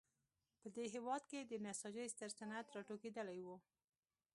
په دې هېواد کې د نساجۍ ستر صنعت راټوکېدلی و.